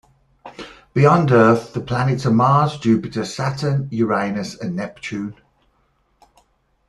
Beyond Earth, the planets are Mars, Jupiter, Saturn, Uranus and Neptune.